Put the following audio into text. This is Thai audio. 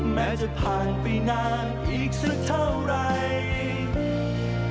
แม้จะผ่านไปนานอีกสักเท่าไร